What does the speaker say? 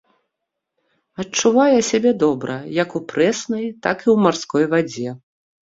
Адчувае сябе добра як у прэснай, так і ў марской вадзе.